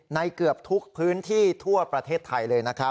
๑๖๐๗๗๐ในเกือบทุกพื้นที่ทั่วประเทศไทยเลย